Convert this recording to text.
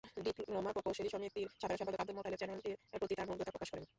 Diploma প্রকৌশলী সমিতির সাধারণ সম্পাদক আবদুল মোতালেব চ্যানেলটির প্রতি তার মুগ্ধতা প্রকাশ করেন।